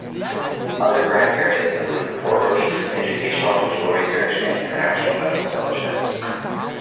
Other grant areas included war relief, educational and legal research, and international medical fellowships.